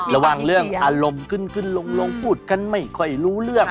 ระวังเรื่องอารมณ์ขึ้นขึ้นลงพูดกันไม่ค่อยรู้เรื่อง